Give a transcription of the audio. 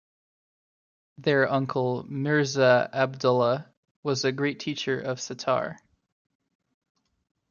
Their uncle Mirza Abdollah was a great teacher of setar.